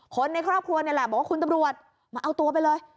คนในครอบครัวนี่แหละบอกว่าคุณตำรวจมาเอาตัวไปเลย